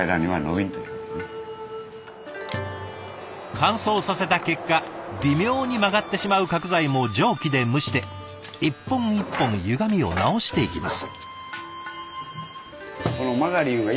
乾燥させた結果微妙に曲がってしまう角材も蒸気で蒸して一本一本ゆがみを直していきます。